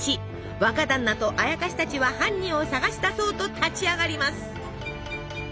若だんなとあやかしたちは犯人を捜し出そうと立ち上がります。